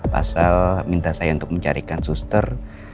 pasal minta saya untuk mencarikan suster